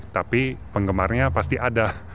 tapi penggemarnya pasti ada